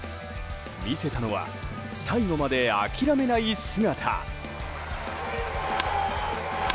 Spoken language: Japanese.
見せたのは最後まで諦めない姿。